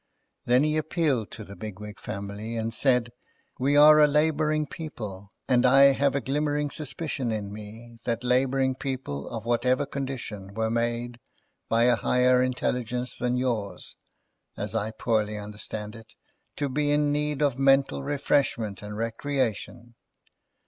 Then he appealed to the Bigwig family, and said, "We are a labouring people, and I have a glimmering suspicion in me that labouring people of whatever condition were made—by a higher intelligence than yours, as I poorly understand it—to be in need of mental refreshment and recreation.